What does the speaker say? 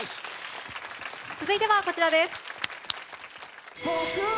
続いては、こちらです。